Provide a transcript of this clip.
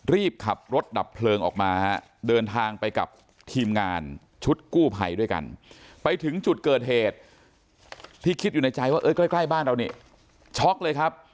รีบขับรถดับเพลิงออกมาฮะเดินทางไปกับทีมงานชุดกู้ภัยด้วยกันไปถึงจุดเกิดเหตุที่คิดอยู่ในใจว่าใกล้ใกล้บ้านเรานี่ช็อกเลยครับ